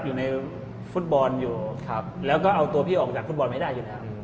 อยู่ในฟุตบอลอยู่แล้วก็เอาตัวพี่ออกจากฟุตบอลไม่ได้อยู่แล้ว